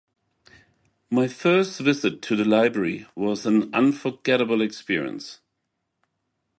My first visit to the library was an unforgettable experience.